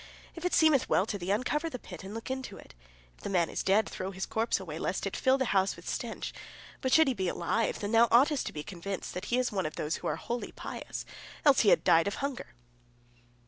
If it seemeth well to thee, uncover the pit and look into it. If the man is dead, throw his corpse away, lest it fill the house with stench. But should he be alive, then thou oughtest to be convinced that he is one of those who are wholly pious, else he had died of hunger."